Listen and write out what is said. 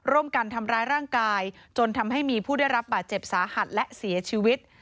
ร่วมกันทำร้ายร่างกายจนทำให้มีผู้ได้รับบาดเจ็บสาหัสและเสียชีวิต